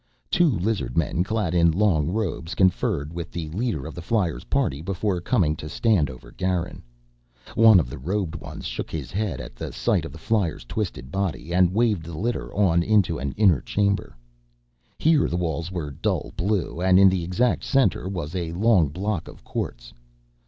Two lizard men, clad in long robes, conferred with the leader of the flyer's party before coming to stand over Garin. One of the robed ones shook his head at the sight of the flyer's twisted body and waved the litter on into an inner chamber. Here the walls were dull blue and in the exact center was a long block of quartz.